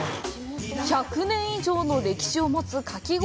１００年以上の歴史を持つかき氷。